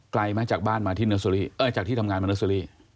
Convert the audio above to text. ไกลไหมจากบ้านมาที่เนอร์จากที่ทำงานมาเนอร์เซอรี่